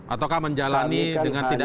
ataukah menjalani dengan tidak